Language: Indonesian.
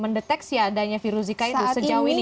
mendeteksi adanya virus zika itu sejauh ini